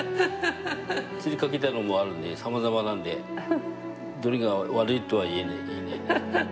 散りかけたのもあるんでさまざまなんでどれが悪いとは言えない。